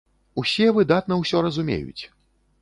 Усе выдатна ўсё разумеюць!